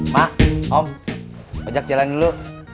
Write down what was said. mak om ajak jalan dulu